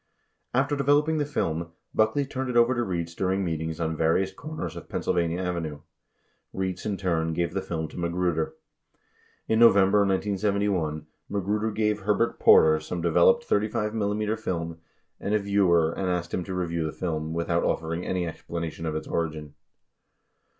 20 After developing the film, Buckley turned it over to Rietz during meetings on various corners of Pennsylvania Avenue. 21 Rietz in turn gave the film to Magruder. 22 In November 1971, Magruder gave Herbert Porter some developed 35 mm film and a viewer and asked him to review the film without offering any explanation of its origin.